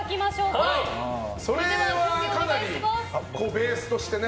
かなりベースとしてね。